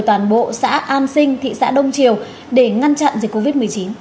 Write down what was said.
toàn bộ xã an sinh thị xã đông triều để ngăn chặn dịch covid một mươi chín